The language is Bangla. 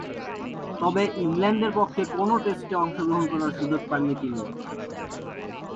তবে, ইংল্যান্ডের পক্ষে কোন টেস্টে অংশগ্রহণ করার সুযোগ পাননি তিনি।